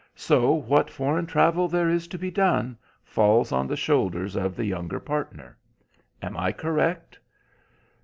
So what foreign travel there is to be done falls on the shoulders of the younger partner. Am I correct?"